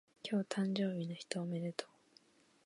今日誕生日の人おめでとう